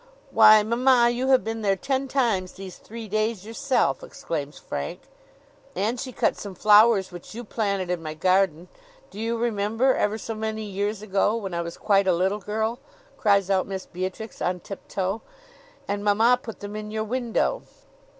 "Why, mamma, you have been there ten times these three days yourself!" exclaims Frank. "And she cut some flowers which you planted in my garden do you remember, ever so many years ago? when I was quite a little girl," cries out Miss Beatrix, on tiptoe. "And mamma put them in your window."